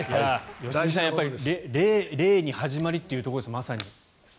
良純さん礼に始まりというところですね。